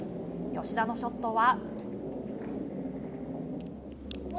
吉田のショットは。